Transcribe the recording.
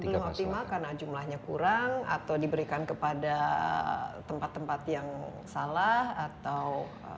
belum optimal karena jumlahnya kurang atau diberikan kepada tempat tempat yang salah atau